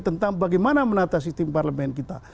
tentang bagaimana mengatasi tim parlemen kita